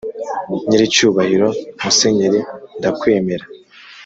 nyiricyubahiro musenyeri ndakwemera